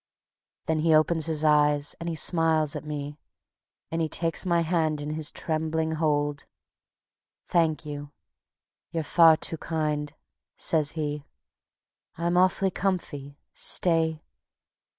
Then he opens his eyes and he smiles at me; And he takes my hand in his trembling hold; "Thank you you're far too kind," says he: "I'm awfully comfy stay